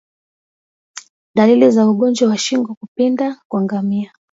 Daliliza ugonjwa wa shingo kupinda kwa ngamia